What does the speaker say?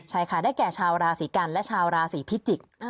ใช่ค่ะได้แก่ชาวราศีกันและชาวราศีพิจิกษ์